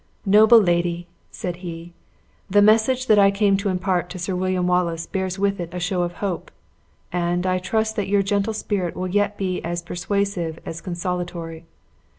"Noble lady," said he, "the message that I came to impart to Sir William Wallace bears with it a show of hope; and, I trust that your gentle spirit will yet be as persuasive as consolatory.